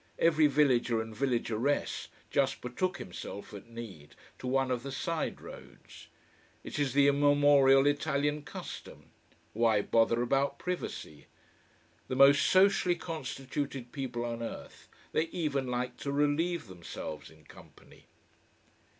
Every villager and villageress just betook himself at need to one of the side roads. It is the immemorial Italian custom. Why bother about privacy? The most socially constituted people on earth, they even like to relieve themselves in company.